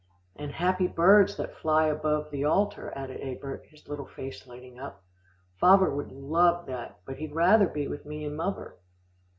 "And happy birds that fly about the altar," added Egbert, his little face lighting up. "Favver would love that, but he'd rather be with me and muvver."